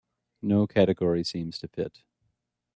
No category seems to fit.